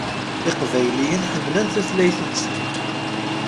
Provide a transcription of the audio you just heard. Iqbayliyen ḥemmlen tutlayt-nsen.